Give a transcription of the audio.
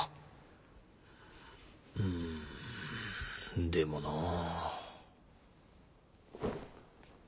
うんでもなあ。